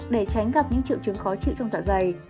để tránh gặp những triệu chứng khó chịu trong dạ dày